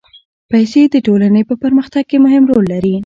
پېسې د ټولنې په پرمختګ کې مهم رول لري.